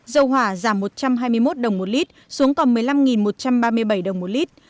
dầu hỏa giảm một trăm hai mươi một đồng một lit xuống còn một mươi năm một trăm ba mươi bảy đồng một lít